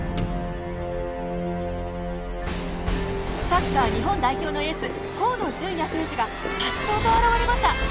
サッカー日本代表のエース河野純也選手が颯爽と現れました。